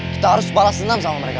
kita harus balas senam sama mereka